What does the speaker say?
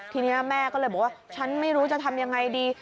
ทีนี้แม่ก็เลยบอกว่าฉันไม่รู้จะทำยังไงดี